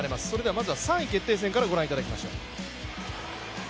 まずは３位決定戦からご覧いただきましょう。